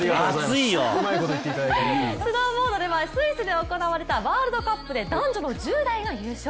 スノーボードではスイスで行われたワールドカップで男女の１０代が優勝。